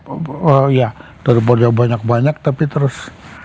oh ya daripada banyak banyak tapi terus